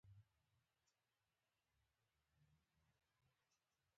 فاعل د فعل مفهوم څرګندوي او بشپړوي.